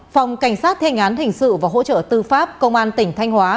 phòng cảnh sát thiên án hình sự và hỗ trợ tư pháp công an tỉnh thanh hóa